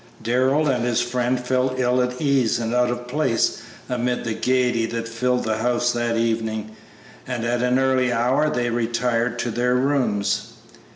Darrell and his friend felt ill at ease and out of place amid the gayety that filled the house that evening, and at an early hour they retired to their rooms.